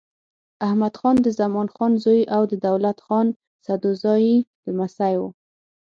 احمدخان د زمان خان زوی او د دولت خان سدوزايي لمسی و.